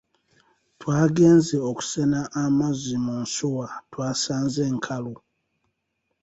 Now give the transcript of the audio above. Twagenze okusena amazzi mu nsuwa twasanze nkalu.